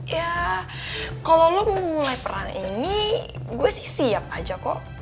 ya kalau lo mau mulai perang ini gue sih siap aja kok